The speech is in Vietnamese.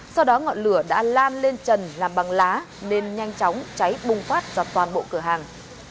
sau đó ngọn lửa đã lan lên trần làm bằng lá nên nhanh chóng cháy bùng phát ra toàn bộ cửa hàng